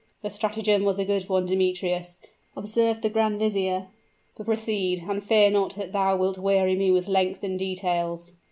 "The stratagem was a good one, Demetrius," observed the grand vizier. "But proceed, and fear not that thou wilt weary me with lengthened details."